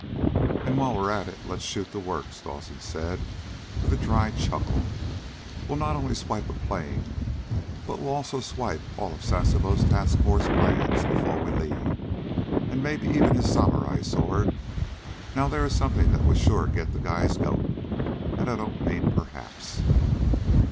"And while we're at it, let's shoot the works," Dawson said with a dry chuckle. "We'll not only swipe a plane, but we'll also swipe all of Sasebo's task force plans before we leave. And maybe even his samurai sword. Now, there is something that would sure get the guy's goat. And I don't mean perhaps!"